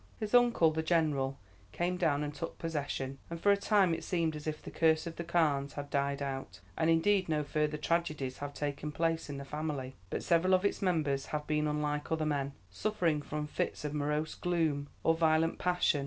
"His uncle, the General, came down and took possession, and for a time it seemed as if the curse of the Carnes had died out, and indeed no further tragedies have taken place in the family, but several of its members have been unlike other men, suffering from fits of morose gloom or violent passion.